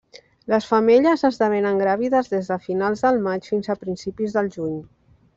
Les femelles esdevenen gràvides des de finals del maig fins a principis del juny.